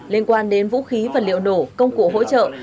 liên quan đến vũ khí vật liệu nổ công cụ hỗ trợ